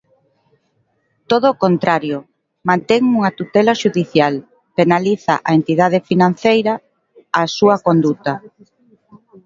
Todo o contrario, mantén unha tutela xudicial, penaliza a entidade financeira, a súa conduta.